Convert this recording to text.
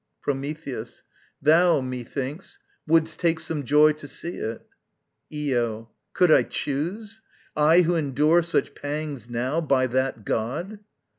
Prometheus. Thou, methinks, Wouldst take some joy to see it. Io. Could I choose? I who endure such pangs now, by that god!